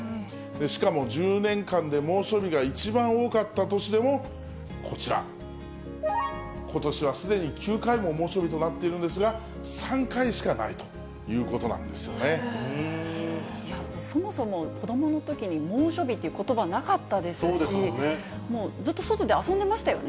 しかも１０年間で猛暑日が一番多かった年でもこちら、ことしはすでに９回も猛暑日となっているんですが、３回しかないそもそも、子どものときに猛暑日っていうことばなかったですし、もうずっと遊んでましたね。